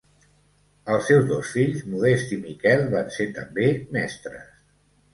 Els seus dos fills, Modest i Miquel, van ser també mestres.